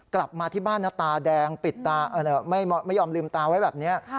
กลับมาที่บ้านนะตาแดงปิดตาไม่ยอมลืมตาไว้แบบนี้